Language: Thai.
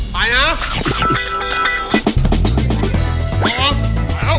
มันหาวิทยาลักษณ์